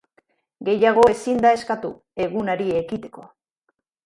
Gehiago ezin da eskatu, egunari ekiteko.